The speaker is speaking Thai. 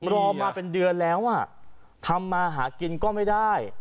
รอมาเป็นเดือนแล้วทำมาหากินก็ไม่ได้